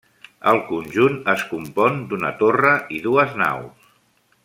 El conjunt es compon d'una torre i dues naus.